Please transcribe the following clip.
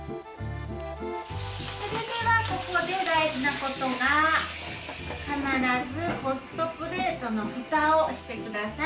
それではここで大事なことが必ずホットプレートのふたをしてください。